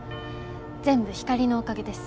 全部光のおかげです。